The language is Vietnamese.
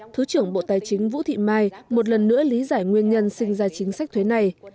thứ trưởng bộ tài chính vũ thị mai một lần nữa lý giải nguyên nhân sinh ra chính sách thuế này